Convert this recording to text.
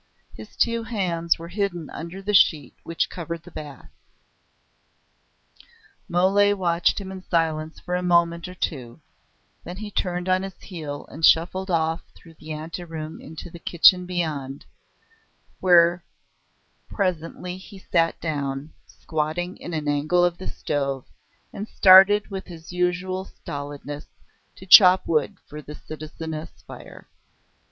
His two hands were hidden under the sheet which covered the bath. Mole watched him in silence for a moment or two, then he turned on his heel and shuffled off through the ante room into the kitchen beyond, where presently he sat down, squatting in an angle by the stove, and started with his usual stolidness to chop wood for the citizeness' fire.